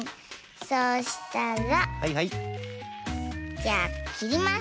そうしたらじゃあきります。